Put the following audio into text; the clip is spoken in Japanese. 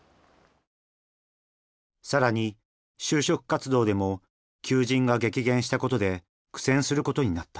更に就職活動でも求人が激減したことで苦戦することになった。